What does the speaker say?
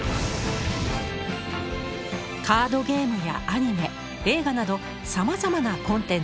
カードゲームやアニメ映画などさまざまなコンテンツに展開。